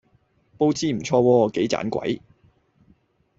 佈置唔錯喎！幾盞鬼